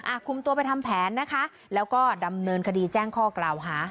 คุมตัวไปทำแผนนะคะแล้วก็ดำเนินคดีแจ้งข้อกล่าวหา